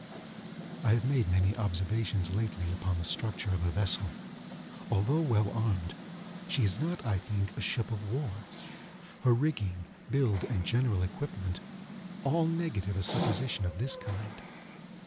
I have made many observations lately upon the structure of the vessel. Although well armed, she is not, I think, a ship of war. Her rigging, build, and general equipment, all negative a supposition of this kind.